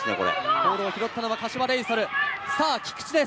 ボールを拾ったのは柏レイソル、菊池です。